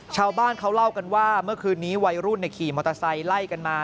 ชาวบ้านเขาเล่ากันว่าเมื่อคืนนี้วัยรุ่นขี่มอเตอร์ไซค์ไล่กันมา